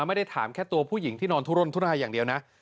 ไม่ได้ถามแค่ตัวผู้หญิงที่นอนทุรนทุนายอย่างเดียวนะ